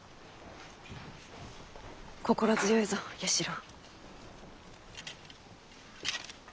心強いぞ弥四郎。